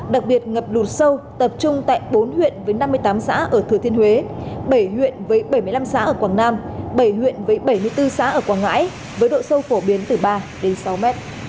đặc biệt ngập lụt sâu tập trung tại bốn huyện với năm mươi tám xã ở thừa thiên huế bảy huyện với bảy mươi năm xã ở quảng nam bảy huyện với bảy mươi bốn xã ở quảng ngãi với độ sâu phổ biến từ ba đến sáu mét